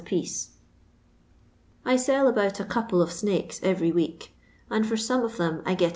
apiece. I sell about a couple of snakes every week, and for some of them I get